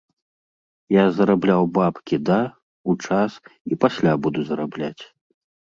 Я зарабляў бабкі да, у час і пасля буду зарабляць.